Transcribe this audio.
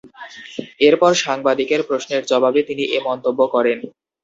এরপর সাংবাদিকের প্রশ্নের জবাবে তিনি এ মন্তব্য করেন।